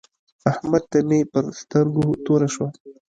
احمد ته مې پر سترګو توره شوه.